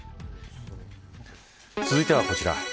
続いてはこちら。